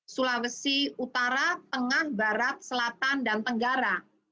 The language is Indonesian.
sulawesi utara tengah barat selatan dan tenggara